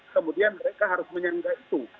kemudian mereka harus menyangga itu